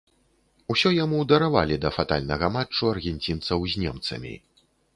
Усё яму даравалі да фатальнага матчу аргенцінцаў з немцамі.